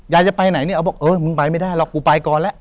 ยายจะไปไหนเนี่ยเอาบอกเออมึงไปไม่ได้หรอกกูไปก่อนแล้ว